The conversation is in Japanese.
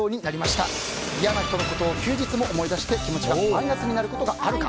嫌な人のことを休日も思い出して気持ちがマイナスになることはあるか。